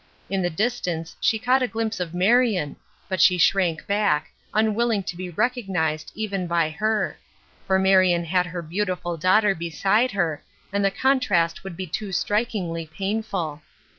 In the distance she caught a glimpse o^ Marion, but she shrank back, unwilling to be recognized even by her ; for Marion had her beautiful daughter beside her, and the contrast would be too strikingly painful.